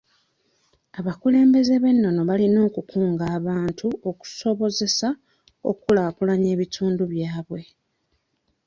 Abakulembeze b'ennono balina okukunga abantu okusobozesa okukulaakulanya ebitundu byabwe.